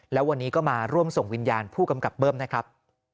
แล้ววันนี้ก็มาร่วมส่งวิญญาณผู้กำกับเบิ้มนะครับ